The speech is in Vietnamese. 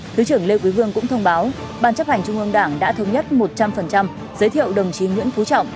thứ trưởng lê quý vương cũng thông báo ban chấp hành trung ương đảng đã thống nhất một trăm linh giới thiệu đồng chí nguyễn phú trọng